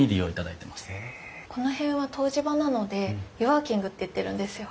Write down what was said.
この辺は湯治場なので「湯ワーキング」っていってるんですよ。